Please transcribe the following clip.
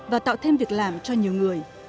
và tạo thêm việc làm cho nhiều người